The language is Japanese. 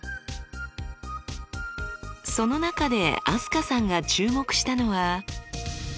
その中で飛鳥さんが注目したのは。